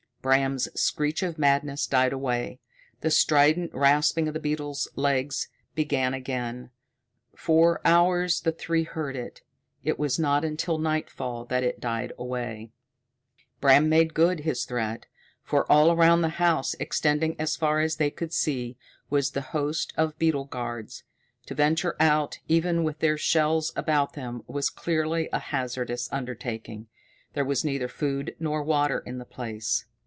Bram's screech of madness died away. The strident rasping of the beetles' legs began again. For hours the three heard it; it was not until nightfall that it died away. Bram had made good his threat, for all around the house, extending as far as they could see, was the host of beetle guards. To venture out, even with their shells about them, was clearly a hazardous undertaking. There was neither food nor water in the place.